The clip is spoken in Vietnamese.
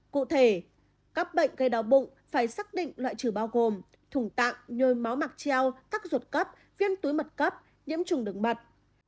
cụ thể các bệnh gây đau bụng phải xác định loại trừ bao gồm thùng tạng nhôi máu mạc treo các ruột cấp viên tụy mật cấp nhiễm trùng đứng mật